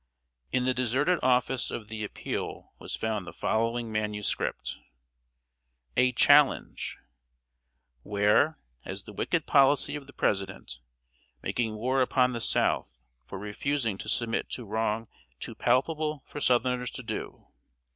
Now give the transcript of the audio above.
] In the deserted office of The Appeal we found the following manuscript: "A CHALLENGE "where as the wicked policy of the president Making war upon the South for refusing to submit to wrong too palpable for Southerners to do.